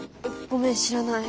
ごめん知らない。